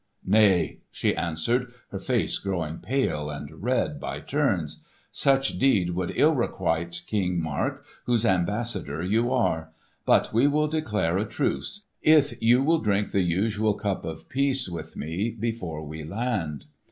"Nay!" she answered, her face growing pale and red by turns. "Such deed would ill requite King Mark, whose ambassador you are. But we will declare a truce, if you will drink the usual cup of peace with me before we land."